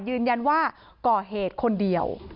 ยืนยันว่าก่อเหตุคนเดียว